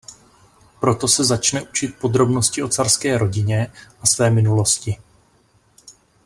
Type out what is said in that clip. Proto se začne učit podrobnosti o carské rodině a své minulosti.